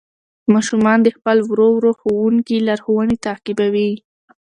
ماشومان د خپل ورو ورو ښوونکي لارښوونې تعقیبوي